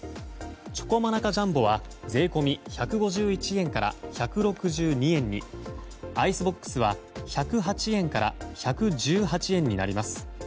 チョコモナカジャンボは税込み１５１円から１６２円にアイスボックスは１０８円から１１８円になります。